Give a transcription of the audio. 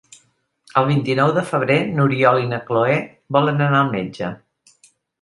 El vint-i-nou de febrer n'Oriol i na Cloè volen anar al metge.